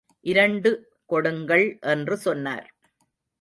இரண்டு கொடுங்கள் என்று சொன்னார்.